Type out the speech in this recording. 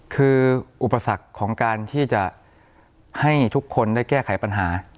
คืออุปสรรคของการที่จะให้ทุกคนได้แก้ไขปัญหา